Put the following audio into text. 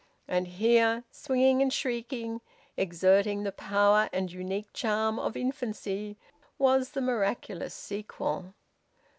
And here, swinging and shrieking, exerting the powerful and unique charm of infancy, was the miraculous sequel!